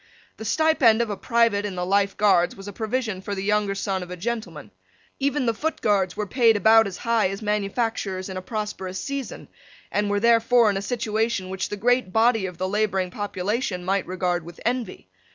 The stipend of a private in the Life Guards was a provision for the younger son of a gentleman. Even the Foot Guards were paid about as high as manufacturers in a prosperous season, and were therefore in a situation which the great body of the labouring population might regard with envy.